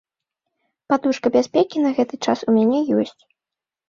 Падушка бяспекі на гэты час у мяне ёсць.